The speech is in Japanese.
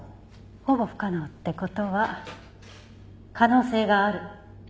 「ほぼ不可能」って事は可能性がある。